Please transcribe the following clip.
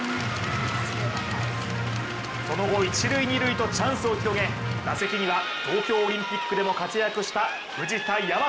その後、一塁・二塁とチャンスを広げ、打席には東京オリンピックでも活躍した藤田倭。